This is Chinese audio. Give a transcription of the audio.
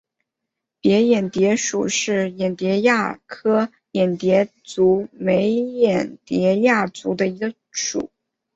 蔽眼蝶属是眼蝶亚科眼蝶族眉眼蝶亚族中的一个属。